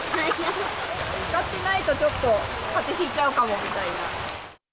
つかってないとちょっと、かぜひいちゃうかもみたいな。